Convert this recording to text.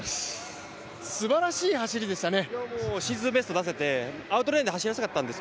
すばらしい走りでしたね。